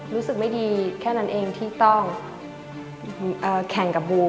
ดู๒๐๑๒กว่าไม่มีโอกาส